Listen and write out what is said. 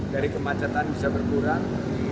dari kemacetan bisa berkurang